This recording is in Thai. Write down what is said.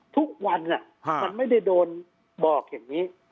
ทุกวันมันไม่ได้โดนบอกอย่างนี้